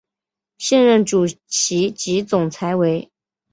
现任主席及总裁为。